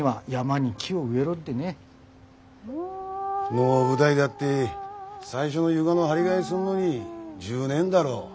能舞台だって最初の床の張り替えすんのに１０年だろ？